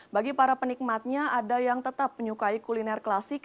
bagi para penikmatnya ada yang tetap menyukai kuliner klasik